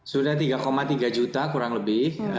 sudah tiga tiga juta kurang lebih